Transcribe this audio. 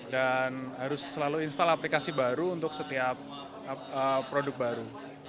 dan harus selalu install aplikasi baru untuk setiap produk baru